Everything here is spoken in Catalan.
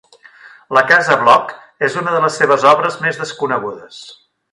La Casa Bloc és una de les seves obres més desconegudes.